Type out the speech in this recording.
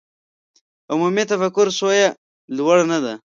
عمومي تفکر سویه لوړه نه ده.